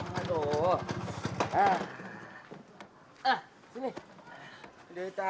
jadi juga tidak apa apa